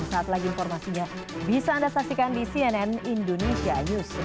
sesaat lagi informasinya bisa anda saksikan di cnn indonesia news